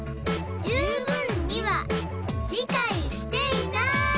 「十分には理解していない」